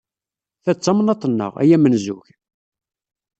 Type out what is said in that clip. Ta d tamnaḍt-nneɣ, a amenzug!